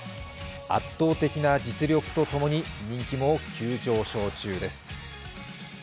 圧倒的な実力とともに人気も急上昇中です。